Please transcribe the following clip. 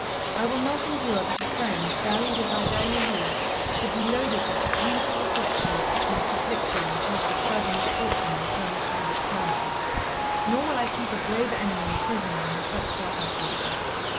I will not endure that a friend, valued as I value you, should be loaded with the painful reflections which must afflict you in case of further misfortune in Colonel Talbot's family; nor will I keep a brave enemy a prisoner under such circumstances.